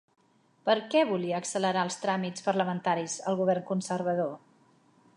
Per què volia accelerar els tràmits parlamentaris el govern conservador?